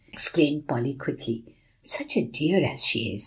exclaimed Polly, quickly. "Such a dear as she is!